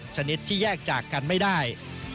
ชนิดที่แยกจากกันไม่ได้